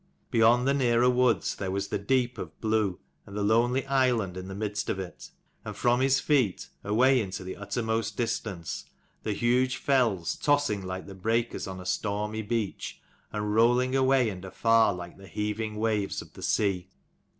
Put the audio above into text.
Beyond the nearer woods there was the deep of 87 CHAPTER XV. THE GIANT GETS HIS FOSTER LING. blue, and the lonely island in the midst of it : and from his feet, away into the uttermost distance, the huge fells, tossing like the breakers on a stormy beach, and rolling away and afar like the heaving waves of the sea.